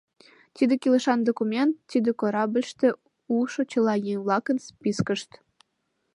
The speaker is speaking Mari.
Тиде кӱлешан документ, тиде — корабльыште улшо чыла еҥ-влакын спискышт.